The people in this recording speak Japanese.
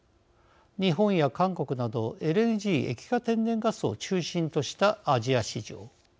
日本や韓国などＬＮＧ＝液化天然ガスを中心としたアジア市場。